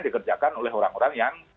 dikerjakan oleh orang orang yang